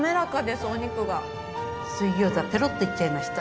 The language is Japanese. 水餃子ペロッといっちゃいました。